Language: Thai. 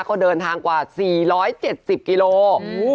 ก็เดินทางกว่า๔๗๐กิโลเมตร